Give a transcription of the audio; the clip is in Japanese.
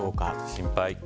心配。